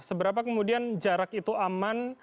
seberapa kemudian jarak itu aman